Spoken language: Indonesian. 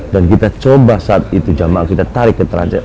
dan kita coba saat itu jemaah kita tarik ke transit